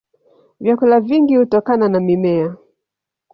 Vyakula vingi hutokana na mimea.